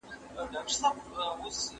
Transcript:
¬ د بارانه ولاړې، تر ناوې لاندي کښېنستې.